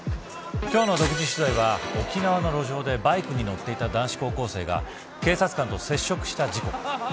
今日の独自取材は沖縄の路上でバイクに乗っていた男子高校生が警察官と接触した事故。